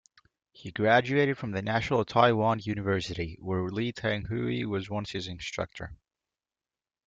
He graduated from National Taiwan University, where Lee Teng-hui was once his instructor.